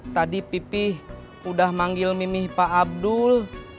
tadi pipih udah manggil mimi pak abdul